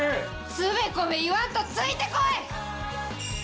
つべこべ言わんとついて来い！